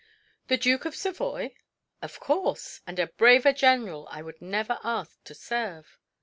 "The Duke of Savoy?" "Of course. And a braver general I would never ask to serve."